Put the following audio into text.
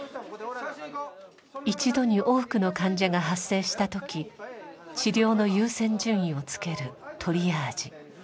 一度に多くの患者が発生したとき治療の優先順位をつけるトリアージ。